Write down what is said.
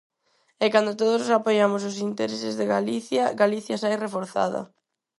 E cando todos apoiamos os intereses de Galicia, Galicia sae reforzada.